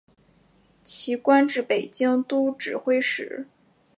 其官至北京都指挥使。